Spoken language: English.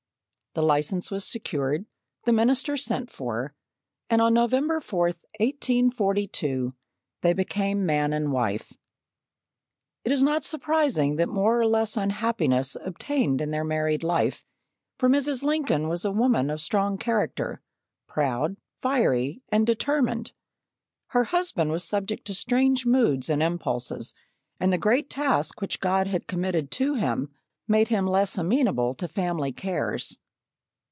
The license was secured, the minister sent for, and on November 4, 1842, they became man and wife. It is not surprising that more or less unhappiness obtained in their married life, for Mrs. Lincoln was a woman of strong character, proud, fiery, and determined. Her husband was subject to strange moods and impulses, and the great task which God had committed to him made him less amenable to family cares.